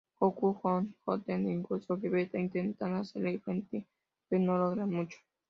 Gokū, Gohan, Goten, e incluso Vegeta intentan hacerle frente pero no logran mucho.